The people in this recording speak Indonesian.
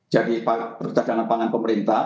jadi perdagangan pangan pemerintah